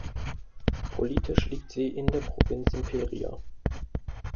Politisch liegt sie in der Provinz Imperia.